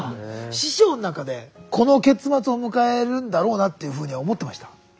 師匠の中でこの結末を迎えるんだろうなっていうふうには思ってました？